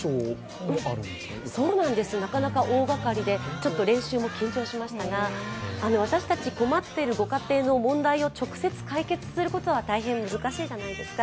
そうなんです、大がかりで練習も緊張しましたが私たち、困ってるご家庭の問題を直接助けるのは大変難しいじゃないですか。